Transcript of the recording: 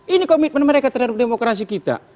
ini komitmen mereka terhadap demokrasi kita